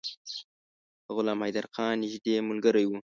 د غلام حیدرخان نیژدې ملګری وو.